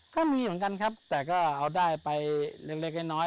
ก็มีเหมือนกันครับแต่ก็เอาได้ไปเล็กน้อย